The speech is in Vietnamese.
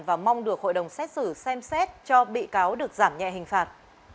và mong được hội đồng xét xử xem xét cho bị cáo được giảm nhẹ hình phạt